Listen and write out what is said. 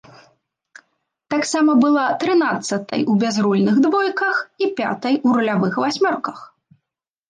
Таксама была трынаццатай у бязрульных двойках і пятай у рулявых васьмёрках.